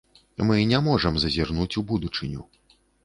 Мы не можам зазірнуць у будучыню.